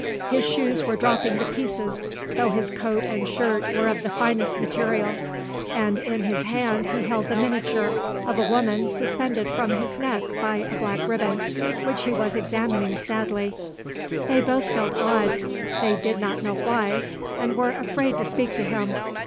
His shoes were dropping to pieces though his coat and shirt were of the finest material, and in his hand he held the miniature of a woman suspended from his neck by a black ribbon, which he was examining sadly. They both felt awed they did not know why and were afraid to speak to him.